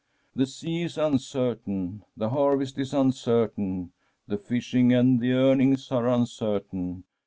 ' The sea is uncertain, the harvest is uncertain, the fish ing and the earnings are uncertain.